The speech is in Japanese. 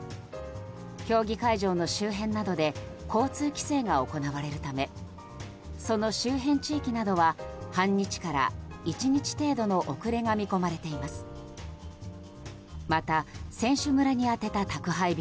競技会場の周辺などで交通規制が行われるためその周辺地域などは半日から１日程度の遅れが見込まれています。